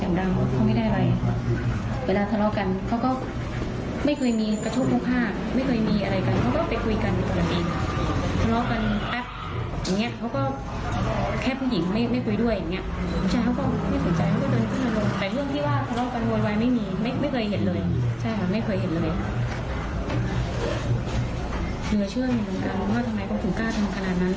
เหนือเชื่อมีคำถามว่าทำไมคุณกล้าทำกันขนาดนั้น